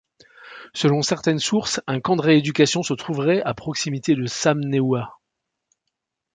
Selon certaines sources, un camp de rééducation se trouverait à proximité de Sam Neua.